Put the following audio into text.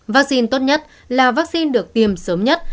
vaccine tốt nhất là vaccine được tiêm sớm nhất